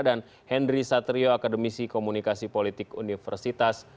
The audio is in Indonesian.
dan henry satrio akademisi komunikasi politik universitas